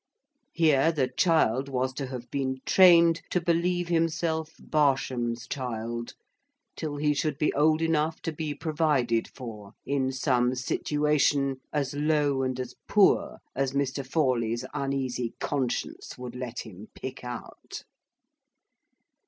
Here the child was to have been trained to believe himself Barsham's child, till he should be old enough to be provided for in some situation, as low and as poor as Mr. Forley's uneasy conscience would let him pick out.